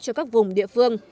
cho các vùng địa phương